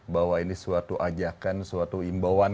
bahwa ini suatu ajakan suatu imbauan